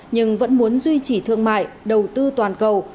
nhưng vẫn muốn duy trì thương mại đầu tư toàn cầu